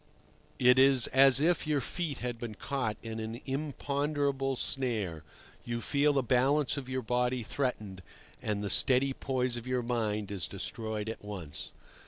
It is as if your feet had been caught in an imponderable snare; you feel the balance of your body threatened, and the steady poise of your mind is destroyed at once.